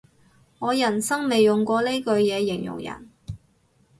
我人生未用過呢句嘢形容人